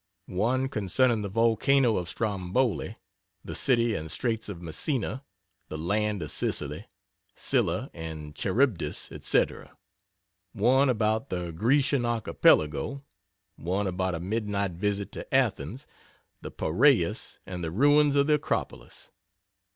1 concerning the Volcano of Stromboli, the city and Straits of Messina, the land of Sicily, Scylla and Charybdis etc. 1 about the Grecian Archipelago. 1 about a midnight visit to Athens, the Piraeus and the ruins of the Acropolis.